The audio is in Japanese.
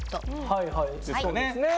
はいはいそうですね。